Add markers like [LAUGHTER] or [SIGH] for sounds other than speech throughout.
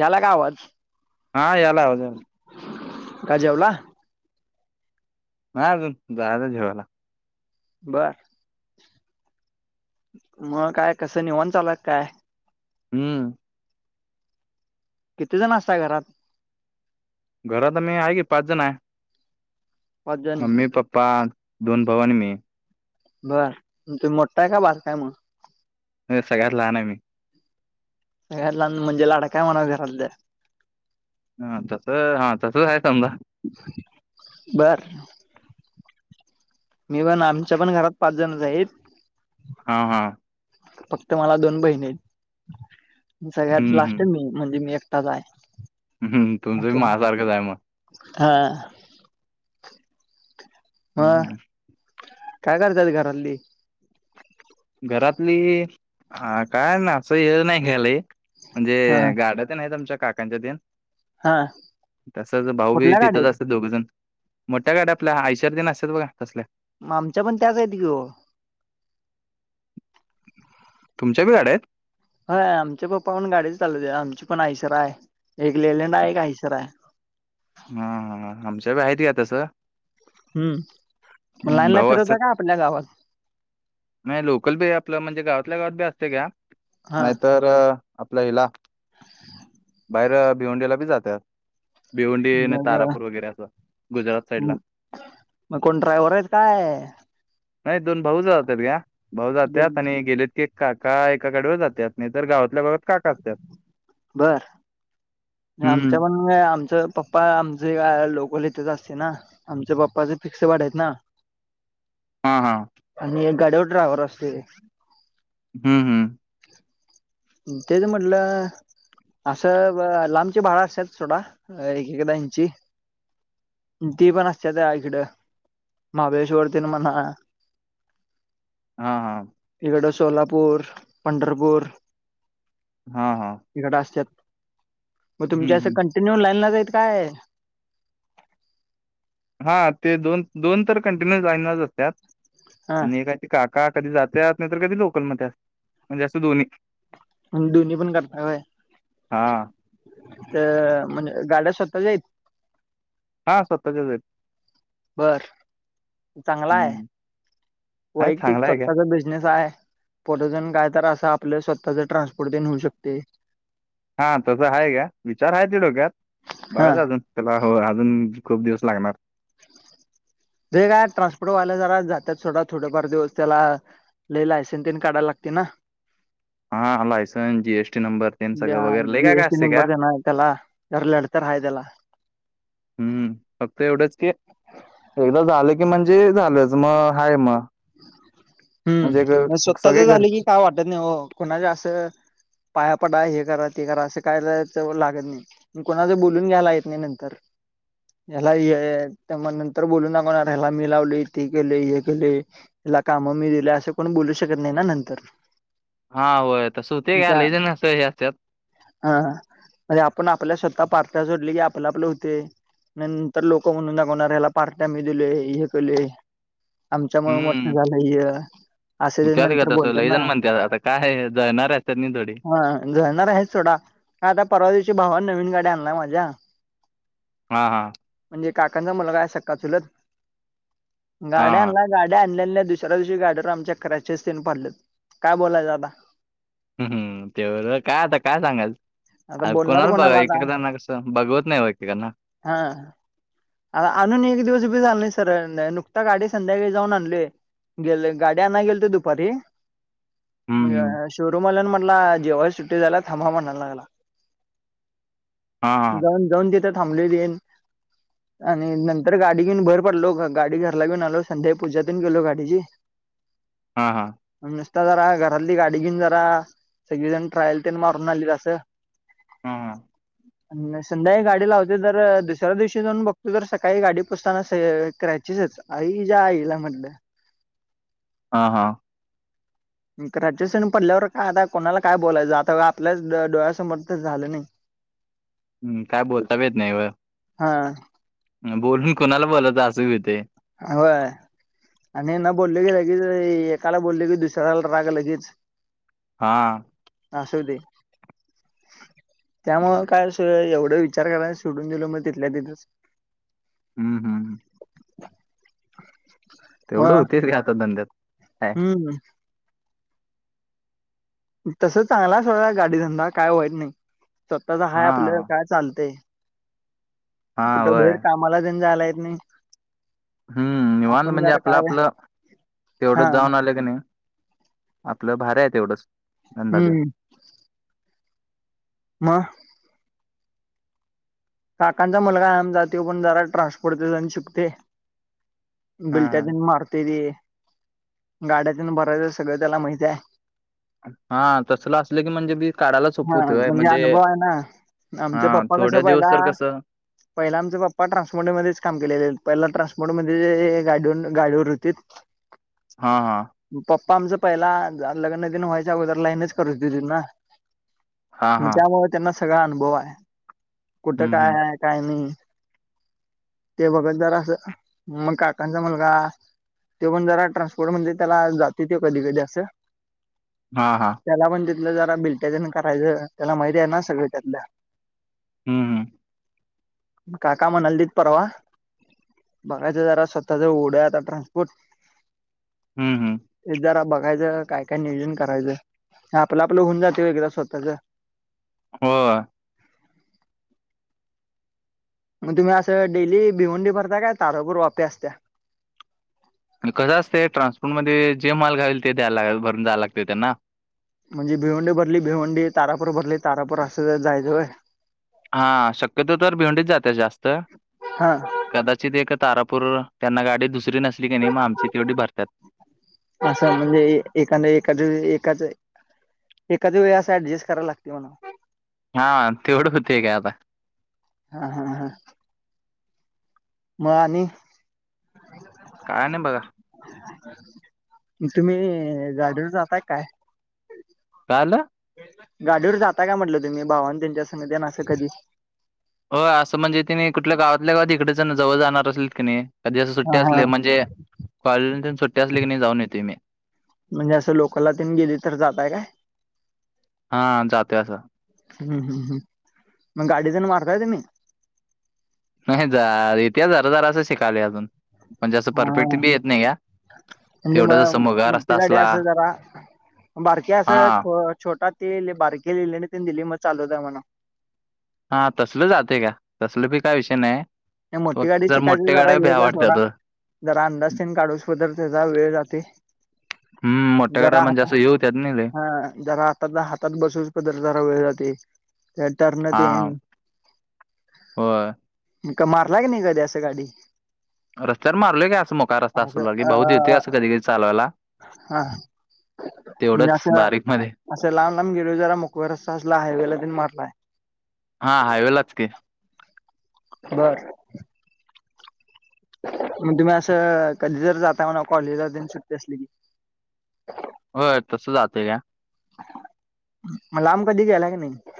यालाय का आवाज हा याला आवाज याला का जेवला? नाही आजून जायाचायं जेवायला. बरं मग, काय कसं निवांन चालूयं क-काय? हम्म. किती जण असत घरात? घरात मी आहे की पाच जण आहे. पाच जण मम्मी, पप्पा, दोन भाऊ आणि मी. बर तु मोठाय का बार काय मग? सगळ्यात लहान आहे मी. म्हणजे लडाका म्हणा घरात. हा तस हा तसच आहे समजा. [INAUDIBLE] बर. मी पण आमच्या पण घरात पाच जण आहेत. हा हा. फक्त मला दोन बहिणी आहेत सगळ्यात हम्म लास्ट मी. म्हणजे मी एकटाच आहे. ह् तुमचं मा सारखंच आहे मग. हा. ह हम्म [INAUDIBLE] काय करतात घरली. घरातली ह काय ना असं हे नाही घ्यालाय. हा म्हणजे गाड्यातन आहे आुमच्या काकांच्या तेन. हा [INAUDIBLE] तसच भाऊ बी कुठल्या तिथंच गाडीत असत दोघजण. मोठ्या गाड्या आपल्या आयशवर दिन असतात बघा कसल्या. मग आमच्या पण त्याच आहेत गे. तुमच्या भी गाड्या आहेत? हय आमच्या पप्पा पण गाडी चालवते आमची पण आयसर आहे एक लेलेड आहे, एक आयसर आहे. हा हा आमच्या ब आहेत का तस. हम्म म लाईन ला भाऊ असतात फिरवता का आपल्या गावात. नाही लोकल बी आपलं म्हणजे गावातल्या गावात बी असते घ्या हा नाहीतर. आपला हिला. [INAUDIBLE] बाहेर भिवंडीला बी जातात भिवंडी, मग तारापूर वगैरे असं गुजरात साईड अं, ला. मग कोण ड्राय्हर आहेत काय? नाही दोन भाऊ जातात ग्या भाऊ जातात ब- आणि गेलेत की. काका एकाकडेवर जातेत नाही तर गावातल्या लो. [INAUDIBLE] बर हम्म आमच्या प आमच पप्पा आमचे काय लोकलथच असते ना. आमच्या बाप्पाचे फिक्स वाढ आहेत ना. [INAUDIBLE] हा हा. आणि एक गाड्यावर ड्रायव्हर असते. हम् हम्. तेच म्हटलं. असं लांबचे भाडं असत सोडा ऐकऐकांची. ती पण असते इकड महाबळेश्वरती म्हणा. [INAUDIBLE] हा हा. इकडं सोलापूर, पंढरपूर. हा. तिकडं असतत, [INAUDIBLE] मग हम्म तुमच्या असं हम्म कंटिन्यू लाईन ला जाईल काय? हा ते दोन दोन तर कंटिन्युस रायन असतात हा आणि एका. काका कधी जातेात नाही तर कधी लोकलमध्येध्ये असत म्हणजे असं दोन्ही. दोन्ही पण करता काय हा तर म्हणजे गाड्या स्वतः जाईत. हा स्वतःच्याच आहेत. बर चांगला आहे. हम्म आहे वैयक्तिक चांगला आहे का स्वतःचा बिझनेस आहे. परजण काय तर असं आपलं स्वतःच ट्रान्सपोर्ट तेन होऊ शकते. हा तसं आहे का विचार आहे ते डोक्यात हा बघाच अजून त्याला हो अजून खूप दिवस लागणार. ते काय ट्रान्सपोर्टवाल्या जरा जातात ोडा थोडफार दिवस त्याला लई लायसेन तीन काढाला लागते ना हा लायसन जीएसटी नंबर ते ज सगळं वगैरे लय काय काय जीएसटी असते का नंबर दे नार त्याला. बार लाडतर हाय त्याला. हम्म. फक्त एवढंच की एकदा झालं की म्हणजे झालंच मग हाय मग. म्हणजे हम्म म ग- स्वतःच सगळे झाले कि घरचे काय वाटत नाही हो कोुणाच्या असं पाया पडा हे करा ते करा असे कायलाच लागत नाही. मी कोणाच बोलून घ्यायला येत नाही नंतर ह्याला हे त्या मग नंतर बोलू दाखवणार ह्याला मी लावले ते केले हे केले. तुला कामं मी दिले असं कोणी बोलू शकत नाही ना नंतर. हा होय तर हुतंय का त्या लय जाण असत्यात स असतात. हा आणि आपण आपल्या स्वतः पारट्या जोडली की आपलं आपल होतय. नंतर लोक म्हणून दाखवणार ह्याला पाट्या मी दिलोय हे केलय आमच्यामुळे मोठ झालंय. अ त्यात काय तसं लैजण म्हणत्यात आता काय हे जळणार असतात नाही थोडी. झळणार आहेत सोडा का आता परवादिवशी भावान नवीन गाडी्या आणलाय माझ्या. हा हा. म्हणजे काकांचा मुलगा सखा चुलत हा गाड्या हा आणला गाड्या आण लल्या दुसऱ्या दिवशी गाड्यातर आमच्या क्रांचेस तीन पडलेत काय बोलायच आता. हमम ते होय काय आता काय सांगायच. आता अ बोलणार कोणाला बघा आता एकेकजणांना कसं बघवत नाही ओ एकेकांना. हा. आणून एक दिवस बी झाल नाही सरळ नुकता गाडी संध्याकाळी जाऊन आणलूय. गेले गाड्याना गेल ते दुपारी हम्म म्हणजे हम्म शोरूम आल्या म्हटला जेवाय सुट्टी टी झाल्या थांबा म्हणायला लागला हा हा जाऊन जाऊन तिथे थांबलोय तेन. आणि नंतर गाडी घेऊन बाहेर पडलो गाडी घरला घेऊन आलो संध्याळी पूजा तेन गेलो गाडीची [INAUDIBLE] हा हा. नुसता जरा घरातली गाडी घेऊन जरा सगळीजण ट्रायल ते मारून आलीत अस. हा हा अन संध्याकाळी गाडी लावते तर दुसऱ्या दिवशी जाऊन बघ. तू जर सकाळी गाडी पोसताना क्रॅचेसच आहेत अरे हेच्या आईला म्हटलं. ह हा. म क्रॅचेस तेन पडल्यावर काय आता कोणाला काय बोलायचं आता आपल्याच डोळ्यासमोर तर झालं नाही. [UNINTELLIGIBLE] हम्म काय बोलता बी येत नाही व. हा. हं बोलून कोणाला बोलयच अस भी होतय. व्हय. आणि न बोलले की लगेच एकाला बोलले की दुसऱ्या राग लगेच. हा. अस हुतंय. त्यामूळ काय अस एवढं विचार करायला सोडून दिल मग तिथल्या तिथेच. हम् हम्म हम. तेवढं होतय रे आता धंद्यात. काय हम्. तस चांगला अस गाडी धंदा काय वाईट नाही स्वतःचा हाय हा आपलं. काय चालतय हा [INAUDIBLE] कुठ व्हय बाहेर कामाला तेन जायला येत नाही. हम्म निवांत आपण म्हणजे जरा आपलं काय आपलं हा तेवढंच जाऊन आलं की नाही. आपलं भार आहेत एवढंच नंदा दिेव. हम्म मग. काकांचा मुलगा कायम जातो पण जरा ट्रान्सपोर्ट जण शिकतोय. हा बिलाट्या तेन मारतय ते. गाड्यातेन भरायच सगळं त्याला माहिती आहे. हा तसला असलं की म्हणजे मी काढायला सोप होतय म्हणजे. [INAUDIBLE] आमच्या हा पप्पा कसा थोड्या पाहिला. दिवस तर कसं पहिला आमचा पप्पा ट्रान्सपोर्टमध्येध्येच काम केलेले पहिला ट्रान्सपोर्टमध्येध्ये गाड गाडीवर होती. [INAUDIBLE] हा हा. पप्पा आमचं पहिला लग्न दिन व्हायच्या अगोदर लाईनच करूनच दिली ना. हा मग हा त्यामुळे त्यांना सगळा अनुभव आहे. कुठं हम्म काय हम्म आहे काय नाही. [INAUDIBLE] ते बघत जरा असं मग काकांचा मुलगा. तो पण जरा ट्रान्सपोर्ट म्हणजे त्याला जाते त कधी कधी असं. हा हा. त्याला पण तिथलं जरा बिलट्या त्यान करायचं त्याला माहिती आहे ना सगळ त्यातलं. हम् हम. काका मन्हालतीत परवा. बघाच जरा स्वतः ज ओढं आता ट्रान्सपोर्ट. हम् हम्. हे जरा बघायचं काय काय नियोजन करायचं आपलं आपलं होऊन जाते एकदा स्वतःच. होय. मग तुम्ही असं डेली भिवंडी भरता काय तारापूर वाप्या असत्या. कसं असतं ट्रान्सपोर्ट मध्ये जे माल घावेल ते द्या भरून जाव लागते त्यांना. म्हणजे भिवंडी भरली भिवंडी तारापूर भरली तारापूर असं जायचंय होय. हा शक्यतो तर भेवंडीच जाते जास्त. हा [INAUDIBLE] कदाचित एक तारापूर त्यांना गाडी दुसरी नसली की नाही मग आमची तेवढी भरतात. असं म्हणजे एखाद एखाद एकाच. एखादी वेळे असं ऍडजस्ट कराय लागते मला. हा तेवढं होती काय आता. हा हा हा. मग आणि? काय नाही बघा. [INAUDIBLE] तुम्ही गाडीवर जाताय काय. काय झालं? गाडीवर जाता काय म्हटलं तुम्ही भावान त्यांच्या संग ये ना असं कधी. हो असं म्हणजे तिने कुठल्या गावातल्या गावात त इिकडच जवळ जाणार असेल की नाही. कधी असं हा सुट्ट्या हा असले म्हणजे कॉलेज सुट्ट्या असले की नाही जाऊन येते मी. म्हणजे असं लोकलला त गेले तर जातय काय? हां, जातोय असं. [INAUDIBLE] हम्म हम्म हम्, मग गाडी जण मारताय तुम्ही? नाही ज येते जरा जरा असं शिकाले अजून म्हणजे असं हा परफेक्ट बी येत नाही या. म्हणजे म मोठी गाडी असं जरा बारकी असं. हां, छोटा तेले बारके लिले आणि ते दिले मग चालत आहे मणा. हा तसल जाते का तसल पी काय विषय नाही. मोठी फक्त गाडी जर शिकायची मोठ्या जरा गाड्या भ्या हेच आहे सोडा. वाटतात ओ. जरा अंदाज तेन काढूस तरर त्याचा वेळ जाते हम् मोठ्या गड्या जरा मग हाता जासं येऊ त्या हा जरा आता हातात बसूनच प जरा वेळ जाते त्या टर्न येईन हो का मारला की नाही कधी असं गाडी रस्त्यावर मारलोय का असं मोका रस्ता असं असल की अ भाऊ देतय कधी कध चावायला हा म्हणजे तेवढंच असं बारीक मध्ये असं लहब लांब गेले जरा मोक रस्ता असला हायवेला देऊन मारलाय हा हायवेलाच के बर मग तुम्ही असं कधी जर जाता म्हणा कॉलेजलान सुट्टी असली की हो तसं जातेय का म लांब कधी ग्यायला की नाही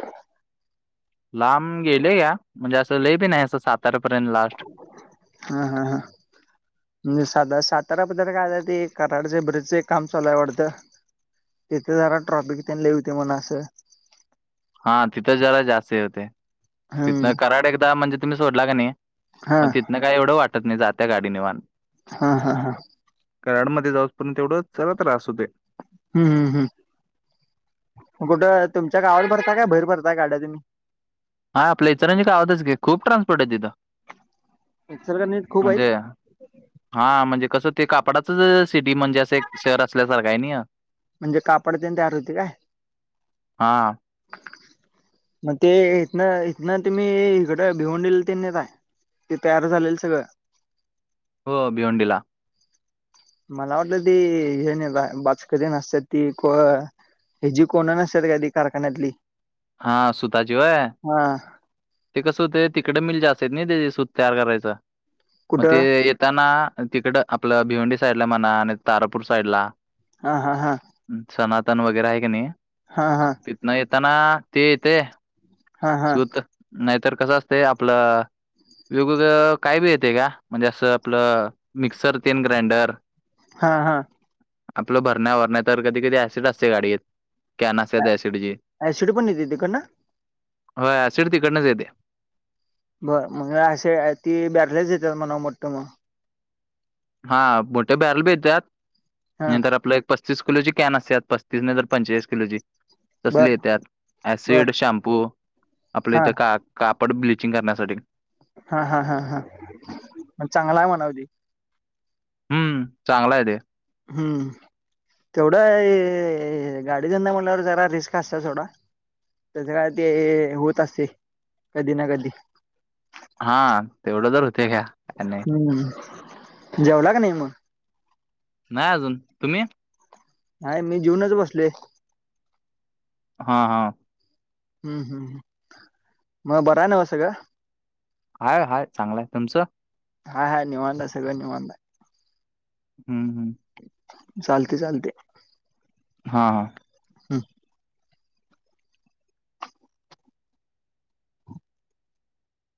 लांब गेले का म्हणजे असं ललेबी नाही असं सातारापर्यंत लास्ट हा हा हा म्हजे साधार सातारा पद् काय ते कराडचे बरेच काम चालाूय आवडतं तिथे जरा ट्रॉपिक त्यां लिवते मन असं हा तिथं जरा जास्त होते हम्म तिथं कराड एकदा म्हणजे तुम्ही सोडला का नाही हा मग तिथनं काय एवढं वाटत नाही जात त्या गाडीने वान हा हा हा कराडमध्येध्ये जाऊपर्यंत एवढ चरा त्रास होते हम्म हम् हम कुठं तुमच्या गावावर भरताय काय भहेर भरताय गाड्या तुम्ही हा आपल्या इतरांची का आवतच घे खूप ट्रान्सपोर्ट आहे तिथं इचलकरंजीत खूप आहेत म्हणजे हा म्हणजे कसं ते कापडाचच सिटी म्हणजे असं एक शहर असल्यासारख आहे नाही म्हणजे कापडते तयार होते काय हां. मग ते इथन इथन तुम्ही इकडं भिवंडला त्यां न काय ते तयार झालेलं सगळं हो भिवंडी ला मला वाटलं ती हे नाही बाच कधी नसतात ती ह जी कोणा नसत काधी कारखान्यातली हा सुताचीीवय हा ते कस ते तिकडे मिलज असत आहेत ना ते सूत तयार करायचं मग ते कुठं येताना तिकडं आपलं भिवंडी साईडला म्हणा आणि तारापूर साईडला हा हा हा सनातन वगैरे आहे क नाही हा हा तथन येताना ते येते हा हा सुूत नाहीतर कसं असते आपलं वेगवेगळं काय बी येते का म्हणजे असं आपलं मिक्सर तेन ग्राइंडर हा हा आपलं भरण्या भरण्या तर कधी कधी ऍसिड असते गाडीत कॅन असते ऍसिडची आ सुडी पणेत तिक ना हो सिडती कडनच येते बर मग अे ती ब्यारलेच येतात मणा वाटतं मग हा बोठे बॅरल भीेतात हा नंतर आपलं पस्तीस किलोची कॅनसत पस्तीस नाही तर पंचेचाळीस किलोची तसले बर येतात बर ऍसिड शॅम्पू आपले हा इथं काक कापड ब्लिचिंग करण्यासाठी हा हा हा हा चांगला आहे मणाम्हणावं ते हम्म चांगला आहे ते हम्म तेवढं ये गाडी धंदा म्हल्यावर जरा रिस्क असत्या सोडा तेज काय ते होत असते कधी ना कधी हा तेवढं तर होते काय त्यांनी [UNINTELLIGIBLE] जेवला का नाही म नाय अजून तुम्ही हाय मी जेवूनच बसले. हा हा हम्म हम्म हम्म म बरं हाय नव्ह सगळं हाय हाय चांगलाय तुमचं हाय हाय निवांत हाय सगळ निवांत हाय. हम्म हम्म चालते चालते. हा हम्